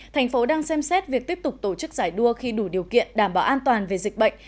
thành phố đang xem xét việc tiếp tục tổ chức giải đua khi đủ điều kiện đảm bảo an toàn về dịch bệnh